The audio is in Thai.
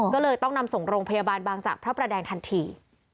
ก็เลยต้องนำส่งโรงพยาบาลบางจากพระประแดงทันที